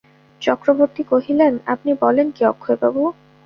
চক্রবর্তী কহিলেন, আপনি বলেন কী অক্ষয়বাবু?